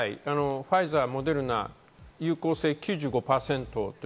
ファイザー、モデルナ、有効性は９５％。